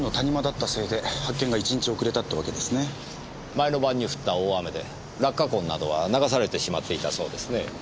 前の晩に降った大雨で落下痕などは流されてしまっていたそうですね。